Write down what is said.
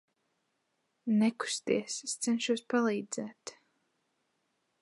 Nekusties, es cenšos palīdzēt.